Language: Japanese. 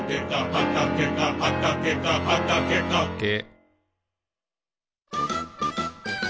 「はかけかはかけかはかけか」け。